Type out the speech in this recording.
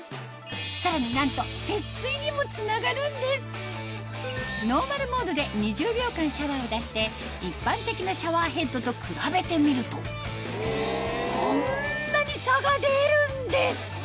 さらになんと節水にもつながるんですノーマルモードで２０秒間シャワーを出して一般的なシャワーヘッドと比べてみるとこんなに差が出るんです！